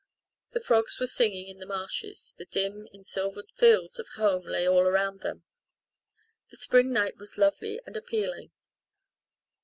The frogs were singing in the marshes, the dim, ensilvered fields of home lay all around them. The spring night was lovely and appealing.